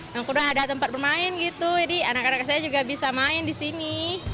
yang sudah ada tempat bermain gitu jadi anak anak saya juga bisa main di sini